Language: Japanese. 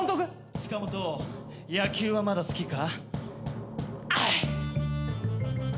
塚本野球はまだ好きか？